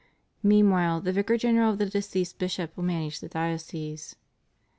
Meanwhile the vicar general of the deceased bishop will manage the diocese.